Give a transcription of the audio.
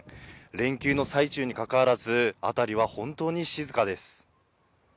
連休の最中にかかわらず、辺りは本当に静かです。